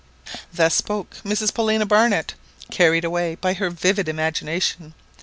Thus spoke Mrs Paulina Barnett, carried away by her vivid imagination.